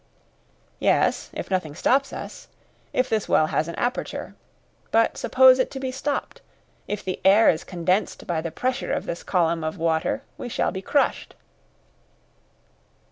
"Yes, if nothing stops us; if this well has an aperture. But suppose it to be stopped. If the air is condensed by the pressure of this column of water we shall be crushed."